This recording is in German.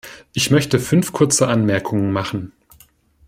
Ich möchte fünf kurze Anmerkungen machen.